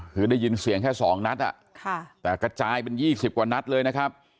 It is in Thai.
คือได้ยินเสียงแค่๒นัดแต่กระจายเป็น๒๐กว่านัดเลยนะครับ